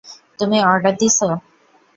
তুমি অর্ডার দিসো?